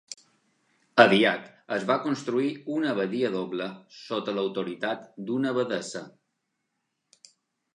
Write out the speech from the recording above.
Aviat es va construir una abadia doble sota l'autoritat d'una abadessa.